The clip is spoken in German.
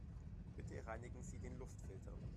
Bitte reinigen Sie den Luftfilter.